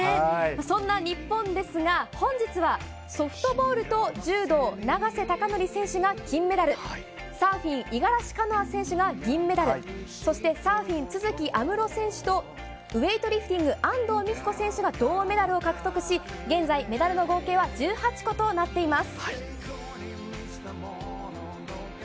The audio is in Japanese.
そんな日本ですが、本日は、ソフトボールと柔道、永瀬貴規選手が金メダル、サーフィン、五十嵐カノア選手が銀メダル、そしてサーフィン、都筑有夢路選手と、ウエイトリフティング、安藤美希子選手が銅メダルを獲得し、現在、メダルの合計は１８個となっています。